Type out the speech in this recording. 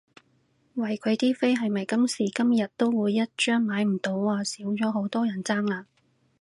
喂佢啲飛係咪今時今日都會一張買唔到啊？少咗好多人爭啦？